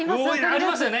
ありますよね。